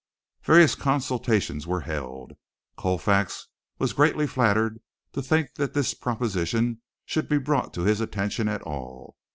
Various consultations were held. Colfax was greatly flattered to think that this proposition should be brought to his attention at all.